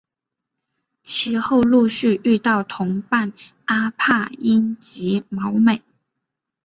其后陆续遇到同伴阿帕因及毛美。